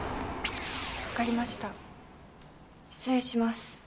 わかりました失礼します。